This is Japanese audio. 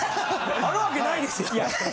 あるわけないですよね。